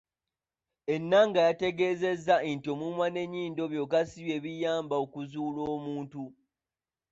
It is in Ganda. Enanga yategeezezza nti omumwa n'ennyindo byokka ssi bye biyamba okuzuula muntu ki.